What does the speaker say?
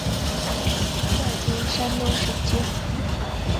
在今山东省境。